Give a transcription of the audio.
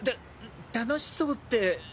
た楽しそうって。